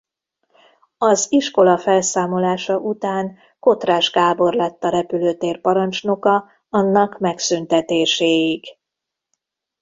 Az iskola felszámolása után Kotrás Gábor lett a repülőtér parancsnoka annak megszüntetéséig.